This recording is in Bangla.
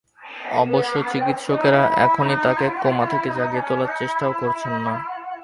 অবশ্য চিকিৎসকেরা এখনই তাঁকে কোমা থেকে জাগিয়ে তোলার চেষ্টাও করছেন না।